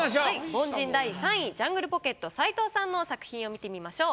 凡人第３位ジャングルポケット斉藤さんの作品を見てみましょう。